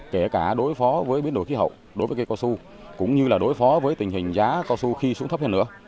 kể cả đối phó với biến đổi khí hậu đối với cây casu cũng như là đối phó với tình hình giá casu khi xuống thấp hơn nữa